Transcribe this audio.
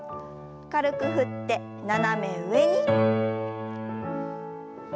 軽く振って斜め上に。